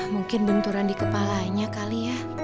mungkin benturan di kepalanya kali ya